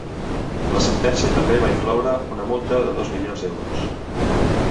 La sentència també va incloure una multa de dos milions d’euros.